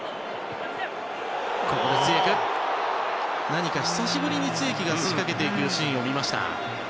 何か久しぶりにツィエクが仕掛けていくシーンが見られました。